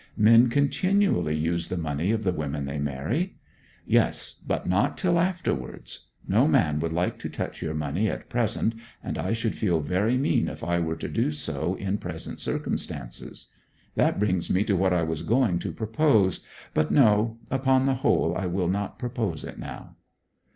Men continually use the money of the women they marry.' 'Yes; but not till afterwards. No man would like to touch your money at present, and I should feel very mean if I were to do so in present circumstances. That brings me to what I was going to propose. But no upon the whole I will not propose it now.'